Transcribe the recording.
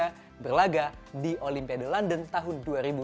menanggap olimpiade olahraga di olimpiade london tahun dua ribu dua belas